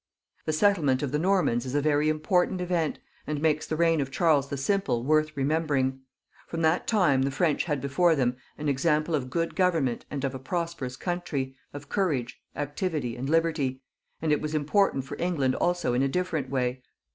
The settlement of the Normans is a very important event, and makes the reign of Charles* the Simple worth remembering. From that time the French had before them an example of good government and of a prosperous country, of courage, activity, and liberty ; and it was im portant for England also in a different way.